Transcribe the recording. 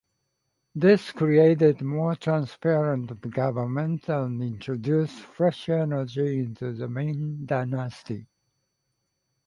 This created a more transparent government and introduced fresh energy into the Ming dynasty.